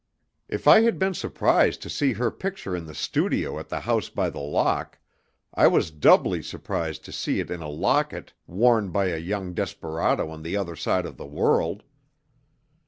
If I had been surprised to see her picture in the "studio" at the House by the Lock, I was doubly surprised to see it in a locket worn by a young desperado on the other side of the world.